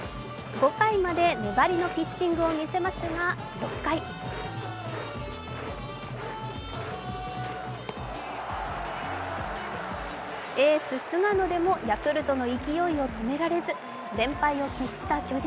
５回まで粘りのピッチングを見せますが６回エース・菅野でもヤクルトの勢いを止められず、連敗を喫した巨人。